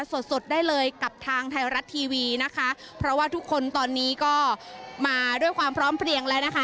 สดสดได้เลยกับทางไทยรัฐทีวีนะคะเพราะว่าทุกคนตอนนี้ก็มาด้วยความพร้อมเพลียงแล้วนะคะ